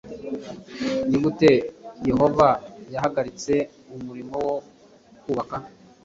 ni gute yehova yahagaritse umurimo wo kubaka